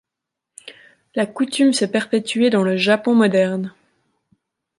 La coutume s'est perpétuée dans le Japon moderne.